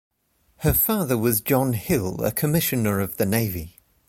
Her father was John Hill, a Commissioner of the Navy.